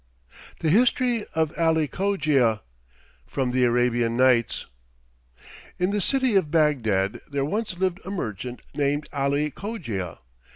THE HISTORY OF ALI COGIA FROM THE ARABIAN NIGHTS In the city of Bagdad there once lived a merchant named Ali Cogia.